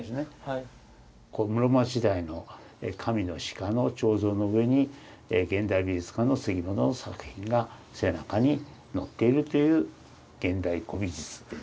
室町時代の神の鹿の彫像の上に現代美術家の杉本の作品が背中にのっているという現代古美術っていうんですかね。